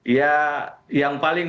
ya yang paling